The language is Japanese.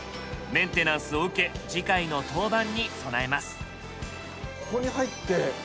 メンテナンスを受け次回の登板に備えます。